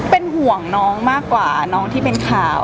เป็นห่วงน้องมากกว่าน้องที่เป็นข่าว